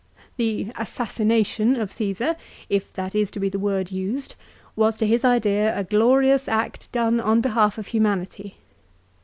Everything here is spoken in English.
The " assassination " of Caesar, if that is to be the word used, was to his idea a glorious act done on behalf of humanity.